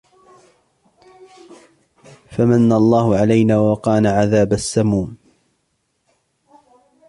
فمن الله علينا ووقانا عذاب السموم